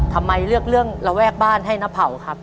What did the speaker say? ทำไมเลือกเรื่องระแวกบ้านให้น้าเผาครับ